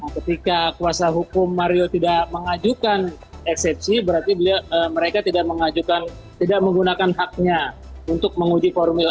ketika kuasa hukum mario tidak mengajukan eksepsi berarti mereka tidak mengajukan tidak menggunakan haknya untuk menguji formil